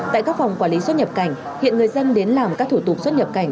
tại các phòng quản lý xuất nhập cảnh hiện người dân đến làm các thủ tục xuất nhập cảnh